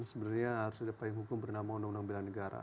sebenarnya harus dipahami hukum bernama undang undang belan negara